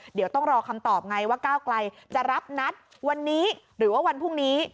เดี๋ยวต้องรอคำตอบไงว่าก้าวไกลจะรับนัดวันนี้หรือว่าวันพรุ่งนี้